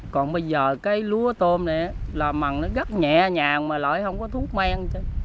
còn bây giờ cái lúa tôm này là mặn nó rất nhẹ nhàng mà lại không có thuốc men